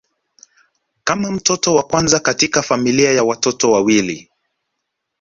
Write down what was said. Kama mtoto wa kwanza katika familia ya watoto wawili.